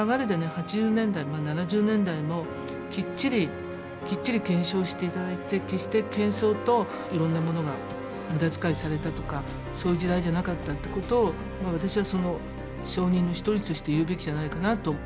８０年代７０年代もきっちり検証していただいて決してけん騒といろんなものが無駄遣いされたとかそういう時代じゃなかったってことを私はその証人の一人として言うべきじゃないかなと。